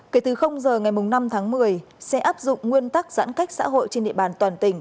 kể từ giờ ngày năm tháng một mươi sẽ áp dụng nguyên tắc giãn cách xã hội trên địa bàn toàn tỉnh